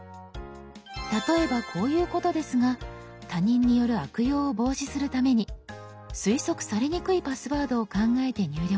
例えばこういうことですが他人による悪用を防止するために推測されにくいパスワードを考えて入力。